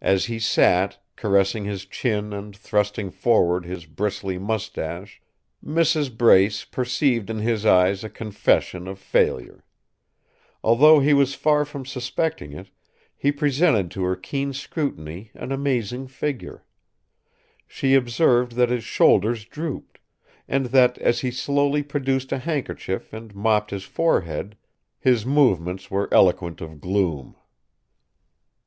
As he sat, caressing his chin and thrusting forward his bristly moustache, Mrs. Brace perceived in his eyes a confession of failure. Although he was far from suspecting it, he presented to her keen scrutiny an amusing figure. She observed that his shoulders drooped, and that, as he slowly produced a handkerchief and mopped his forehead, his movements were eloquent of gloom.